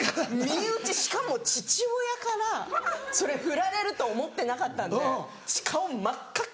身内しかも父親からそれふられると思ってなかったんで私顔真っ赤っ